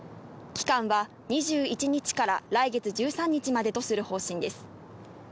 期間は２１日から来月１３日までとする方針です。